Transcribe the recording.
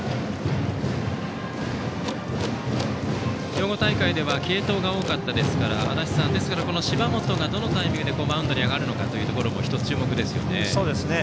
兵庫大会では継投が多かったですがこの芝本がどのタイミングでマウンドに上がるのか１つ、注目ですよね。